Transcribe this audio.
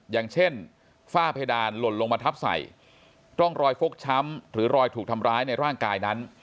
อย่างเช่นฝ้าเพดานหล่นลงมาทับใส่ร่องรอยฟกช้ำหรือรอยถูกทำร้ายในร่างกายนั้น